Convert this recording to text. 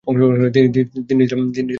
তিনি ছিলেন ফোর্ডের ভাইয়ের বন্ধু।